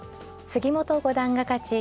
杉本五段が勝ち